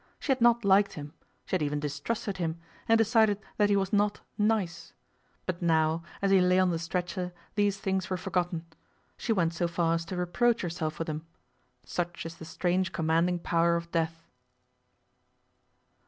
She had not liked him; she had even distrusted him, and decided that he was not 'nice'. But now, as he lay on the stretcher, these things were forgotten. She went so far as to reproach herself for them. Such is the strange commanding power of death.